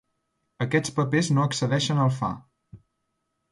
Aquests papers no excedeixen el Fa.